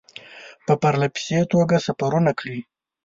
په پرله پسې توګه سفرونه کړي.